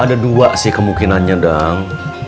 ada dua sih kemungkinannya dong